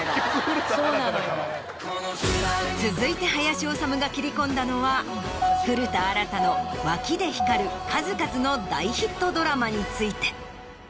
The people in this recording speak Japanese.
続いて林修が切り込んだのは古田新太の「脇で光る数々の大ヒットドラマ」について。